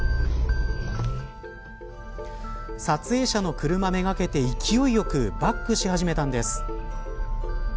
撮影者の車めがけて勢いよくバックし始めたんです。